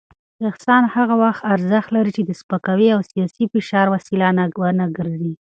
احسان هغه وخت ارزښت لري چې د سپکاوي او سياسي فشار وسیله ونه ګرځي.